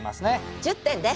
１０点です！